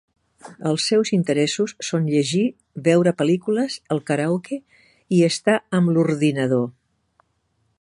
Els seus interessos són llegir, veure pel·lícules, el karaoke i estar amb l'ordinador.